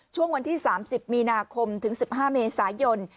ช่วงวันที่๓๐มีนาคมถึง๑๕เมษายน